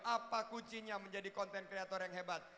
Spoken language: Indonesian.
apa kuncinya menjadi content creator yang hebat